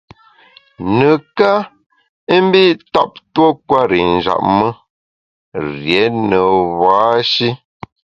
Neká i mbi ntap tuo kwer i njap me, rié ne ba-shi.